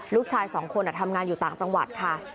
ลูกชายสองคนทำงานอยู่ต่างจังหวัดค่ะ